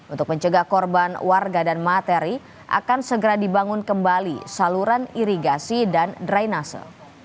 untuk mencegah korban warga dan materi akan segera dibangun kembali saluran irigasi dan drainase